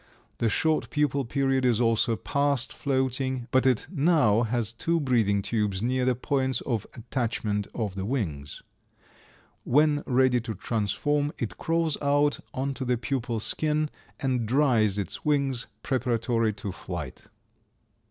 The short pupal period is also passed floating, but it now has two breathing tubes near the points of attachment of the wings. When ready to transform it crawls out onto the pupal skin and dries its wings preparatory to flight.